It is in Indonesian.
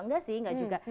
enggak sih enggak juga